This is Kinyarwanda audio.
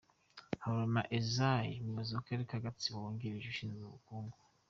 Habarurema Isae, umuyobozi w’akarere ka Gatsibo wungirije ushinzwe ubukungu.